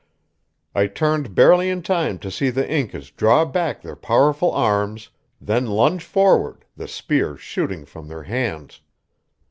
I turned barely in time to see the Incas draw back their powerful arms, then lunge forward, the spears shooting from their hands.